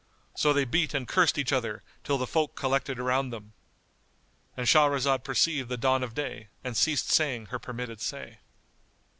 So they beat and cursed each other, till the folk collected around them——And Shahrazad perceived the dawn of day and ceased saying her permitted say.